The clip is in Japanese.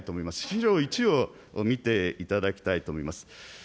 資料１を見ていただきたいと思います。